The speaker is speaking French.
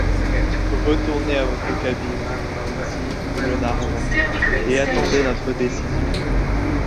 Retournez à votre cabine, dit Glenarvan, et attendez notre décision.